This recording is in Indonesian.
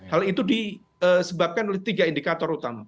hal itu disebabkan oleh tiga indikator utama